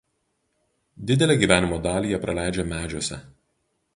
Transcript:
Didelę gyvenimo dalį jie praleidžia medžiuose.